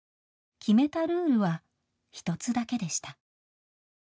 決めたルールは１つだけでした。